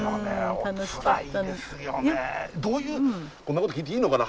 どういうこんなこと聞いていいのかな？